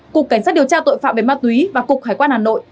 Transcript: cục cảnh sát điều tra tội phạm về ma túy và cục hải quan hà nội